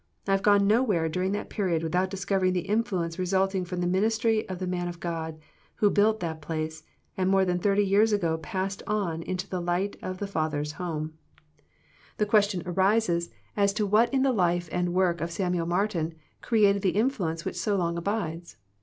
I have gone nowhere during that period without discovering the influence resulting from the ministry of the man of God who built that place, and more than thirty years ago passed on into the light of the Father's home. The THE PEAOTICE OF PEAYEE 119 question arises as to wliat in the life and work of Samuel Martin created the influence which so long abides.